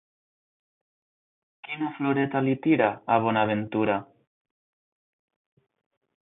Quina floreta li tira a Bonaventura?